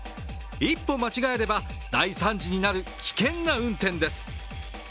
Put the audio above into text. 一歩間違えれば、大惨事になる危険な運転です。